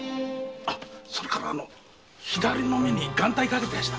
それから左の目に眼帯かけてやした。